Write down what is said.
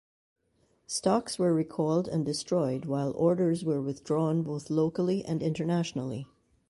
Stocks were recalled and destroyed while orders were withdrawn both locally and internationally.